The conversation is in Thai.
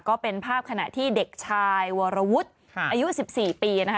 ก็เป็นภาพขณะที่เด็กชายวรวุฒิอายุ๑๔ปีนะคะ